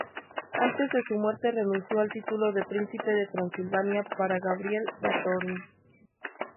Antes de su muerte renunció al título de Príncipe de Transilvania para Gabriel Báthory.